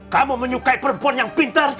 kamu menyukai perempuan yang pintar